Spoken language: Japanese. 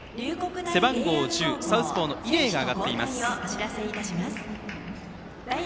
背番号１０、サウスポーの伊禮が上がっています。